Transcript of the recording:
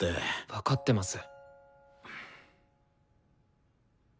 分かってます。